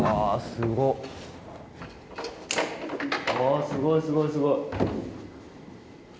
すごいすごいすごい。